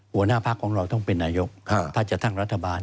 หัวหน้าพักของเราต้องเป็นนายกถ้าจะตั้งรัฐบาล